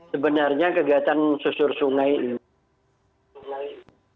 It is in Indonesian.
sebenarnya kegiatan susur sungai ini